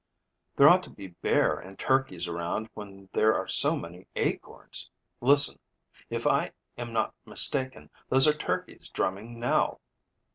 "There ought to be bear and turkeys around where there are so many acorns. Listen! if I am not mistaken, those are turkeys drumming now."